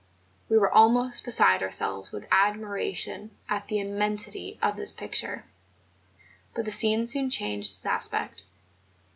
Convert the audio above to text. We were almost beside our¬ selves with admiration at the immensity of this pic¬ ture; but the scene soon changed its aspect.